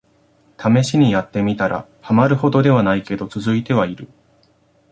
ためしにやってみたら、ハマるほどではないけど続いてはいる